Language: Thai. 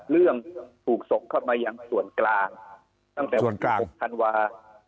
เรื่องถูกส่งเข้ามาอย่างส่วนกลางส่วนกลางฮันวา